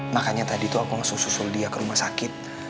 makanya tadi tuh aku langsung susul dia ke rumah sakit